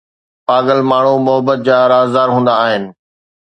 پاگل ماڻهو محبت جا رازدار هوندا آهن